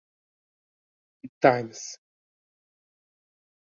ibtimes